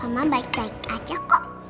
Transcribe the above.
mama baik baik aja kok